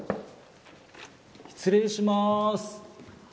失礼します。